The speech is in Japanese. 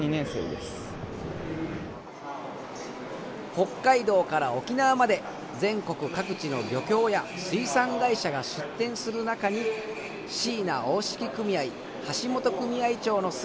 北海道から沖縄まで全国各地の漁協や水産会社が出展する中に椎名大敷組合橋本組合長の姿が。